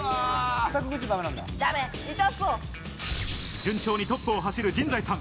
順調にトップを走る陣在さん。